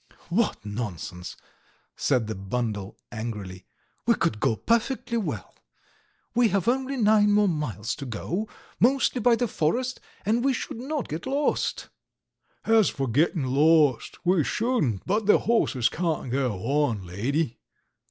"What nonsense!" said the bundle angrily, "We could go perfectly well. We have only nine more miles to go, mostly by the forest, and we should not get lost. ..." "As for getting lost, we shouldn't, but the horses can't go on, lady!"